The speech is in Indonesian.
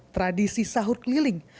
tradisi sahur keliling